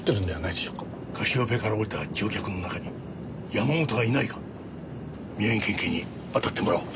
カシオペアから降りた乗客の中に山本がいないか宮城県警に当たってもらおう。